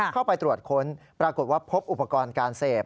เข้าไปตรวจค้นปรากฏว่าพบอุปกรณ์การเสพ